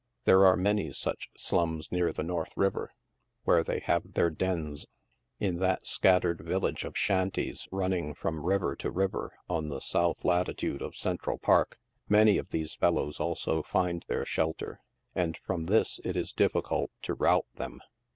There are many such slums near the North River, where they have their dens. In that scattered village of shanties running from river to river on the south latitude of Central Park, many of these fellows also find their shelter, and from this it is dif ficult to rout them.